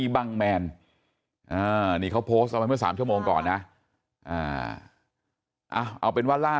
บังแมนนี่เขาโพสต์เอาไว้เมื่อ๓ชั่วโมงก่อนนะเอาเป็นว่าล่า